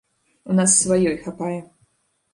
У нас сваёй хапае.